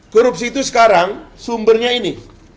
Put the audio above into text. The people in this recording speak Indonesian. korupsi itu sekarang sumbernya ini